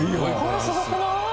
これすごくない？